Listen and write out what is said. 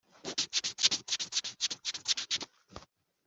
kandi niba ndi umukiranutsi,